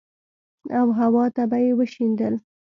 او هوا ته به يې وشيندل.